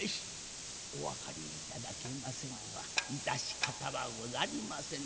お分かりいただけませねば致し方はござりませぬ。